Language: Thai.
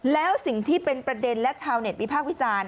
แล้วสิ่งที่เป็นประเด็นและชาวเน็ตวิพากษ์วิจารณ์